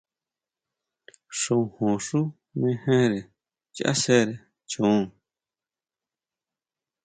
Xojón xú mejere chasjere chon.